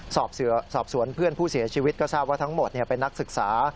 สอบสวนเพื่อนผู้เสียชีวิตก็ทราบว่าทั้งหมดเป็นนักศึกษา